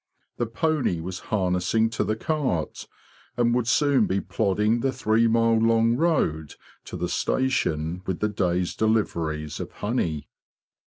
The pony was harnessing to the cart, and would soon be plodding the three mile long road to the station with the day's deliveries of honey.